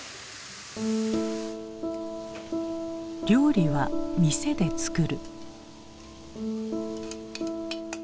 料理は店で作る。